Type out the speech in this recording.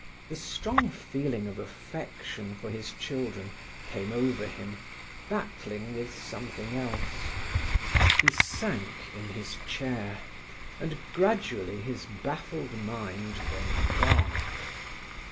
The strong feeling of affection for his children came over him, battling with something else. He sank in his chair, and gradually his baffled mind went dark.